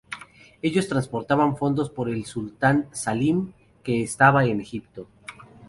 Ellos transportaban fondos para el Sultán Salim que estaba en Egipto.